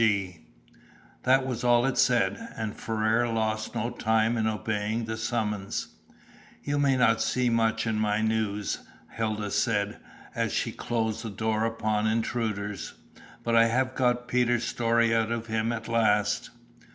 G." That was all it said, and Ferrars lost no time in obeying the summons. "You may not see much in my news," Hilda said, as she closed the door upon intruders. "But I have got Peter's story out of him at last."